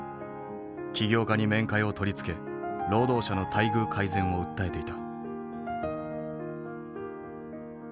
企業家に面会を取り付け労働者の待遇改善を訴えていた。